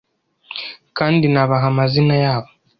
kandi nabaha amazina yabo